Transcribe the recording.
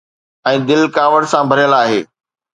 ۽ دل ڪاوڙ سان ڀريل آهي.